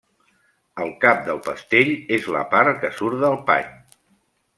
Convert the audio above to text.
El cap del pestell és la part que surt del pany.